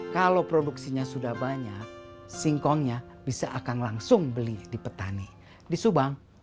kalau produksinya sudah banyak singkongnya bisa akan langsung beli di petani di subang